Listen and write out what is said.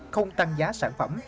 không tăng giá sản phẩm